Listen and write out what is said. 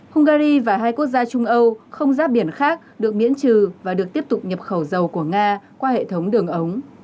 hungary và hai quốc gia trung âu không giáp biển khác được miễn trừ và được tiếp tục nhập khẩu dầu của nga qua hệ thống đường ống